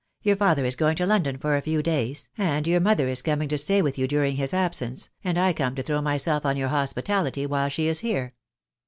Your father is going to London for a few days, and your mother is coming to stay with you during his absence, and I come to throw myself on your hospitality while she is here.